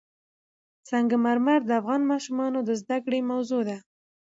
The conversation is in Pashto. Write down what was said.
سنگ مرمر د افغان ماشومانو د زده کړې موضوع ده.